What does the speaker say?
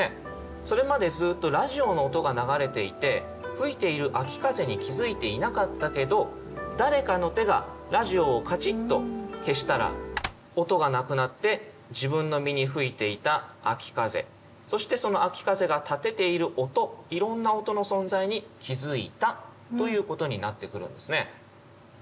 それまでずっとラジオの音が流れていて吹いている秋風に気づいていなかったけど誰かの手がラジオをカチッと消したら音がなくなって自分の身に吹いていた秋風そしてその秋風が立てている音いろんな音の存在に気づいたということになってくるんですね。